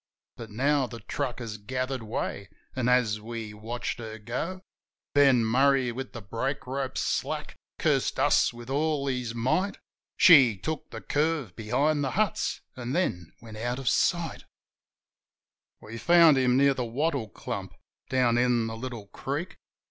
But now the truck had gathered way, an', as we watched her go, Ben Murray, with the brake rope slack, cursed us with all his might. She took the curve behind the huts, an' then went out of sight. MURRAY'S RIDE 73 We found him near the wattle clump, down in the little creek.